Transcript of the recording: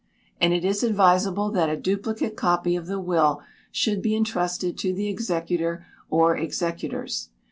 And it is advisable that a duplicate copy of the will should be entrusted to the executor or executors.